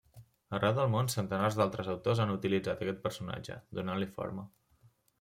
Arreu del món centenars d'altres autors han utilitzat a aquest personatge, donant-li forma.